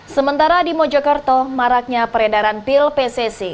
sementara di mojokerto maraknya peredaran pil pcc